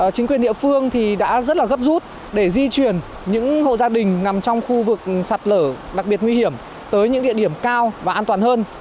chính quyền địa phương thì đã rất là gấp rút để di chuyển những hộ gia đình nằm trong khu vực sạt lở đặc biệt nguy hiểm tới những địa điểm cao và an toàn hơn